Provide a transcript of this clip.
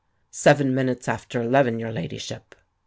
"Seven minutes after eleven, your Ladyship."